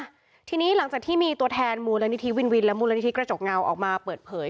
หลังจากที่มีตัวแทนมูลนิธิวินวินและมูลนิธิกระจกเงาออกมาเปิดเผย